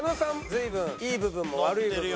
随分いい部分も悪い部分も。